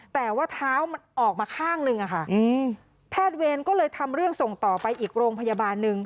แต่ว่าเท้ามันออกมาข้างหนึ่งอะค่ะแพทย์เวรก็เลยทำเรื่องส่งต่อไปอีกโรงพยาบาลหนึ่ง